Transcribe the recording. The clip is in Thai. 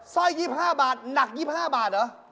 สร้อย๒๕บาทหนัก๒๕บาทเหรอ